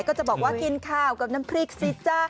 ก็จะบอกว่ากินข้าวกับน้ำพริกสิจ๊ะ